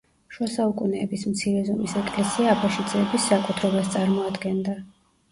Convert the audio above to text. შუა საუკუნეების მცირე ზომის ეკლესია აბაშიძეების საკუთრებას წარმოადგენდა.